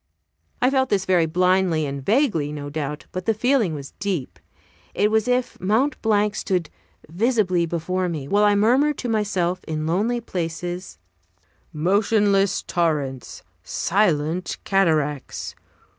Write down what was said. I felt this very blindly and vaguely, no doubt; but the feeling was deep. It was as if Mont Blanc stood visibly before me, while I murmured to myself in lonely places "Motionless torrents! silent cataracts!